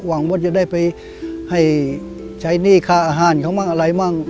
หวังว่าจะได้ไปให้ใช้หนี้ค่าอาหารเขามั่งอะไรมั่ง